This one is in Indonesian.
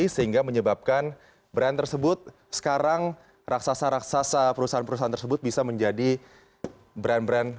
sehingga menyebabkan brand tersebut sekarang raksasa raksasa perusahaan perusahaan tersebut bisa menjadi brand brand